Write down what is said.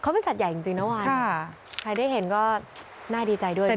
เขาเป็นสัตว์ใหญ่จริงนะวันใครได้เห็นก็น่าดีใจด้วยนะ